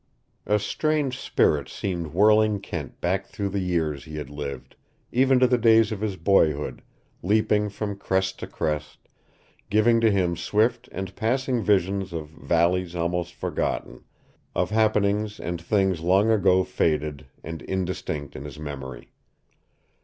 A strange spirit seemed whirling Kent back through the years he had lived, even to the days of his boyhood, leaping from crest to crest, giving to him swift and passing visions of valleys almost forgotten, of happenings and things long ago faded and indistinct in his memory.